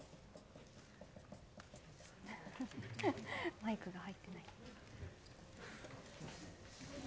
マイクが入ってない。